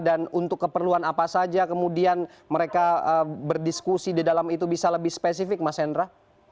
dan untuk keperluan apa saja kemudian mereka berdiskusi di dalam itu bisa lebih spesifik mas hendra